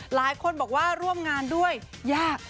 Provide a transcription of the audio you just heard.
หลายคนบอกว่าร่วมงานด้วยยาก